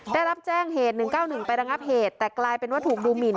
ได้รับแจ้งเหตุหนึ่งเก้าหนึ่งไประงับเหตุแต่กลายเป็นว่าถูกดูหมิน